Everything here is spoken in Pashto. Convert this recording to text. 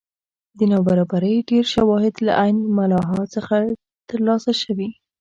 د نابرابرۍ ډېر شواهد له عین ملاحا څخه ترلاسه شوي.